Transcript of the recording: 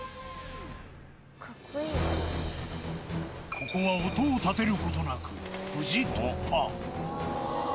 ここは音を立てることなく、無事突破。